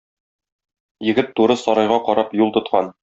Егет туры сарайга карап юл тоткан.